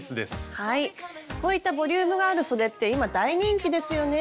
こういったボリュームがあるそでって今大人気ですよね。